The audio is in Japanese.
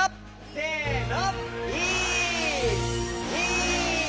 せの！